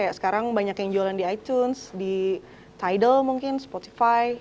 kayak sekarang banyak yang jualan di itunes di tidal mungkin spotify